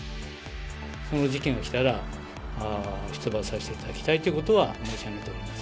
その時期が来たら出馬をさせていただきたいということは申し上げております。